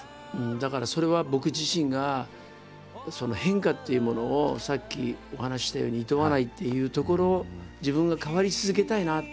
だからそれは僕自身がその変化っていうものをさっきお話ししたようにいとわないっていうところ自分が変わり続けたいなって。